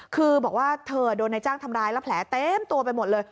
คือบอกว่าเธอโดนนายจ้างทำร้ายแล้วแผลเต็มตัวไปหมดเลย